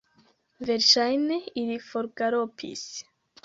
Verŝajne, ili forgalopis!